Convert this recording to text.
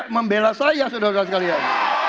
membela saya saudara saudara sekalian